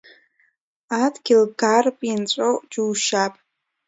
Адгьыл Гарԥ инҵәо џьушьап!